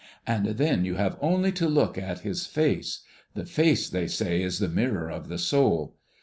And then you have only to look at his face. The face, they say, is the mirror of the soul.